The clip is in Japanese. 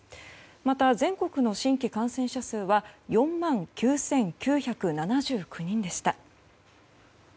また全国の新規感染者数は４万９９７９人でした。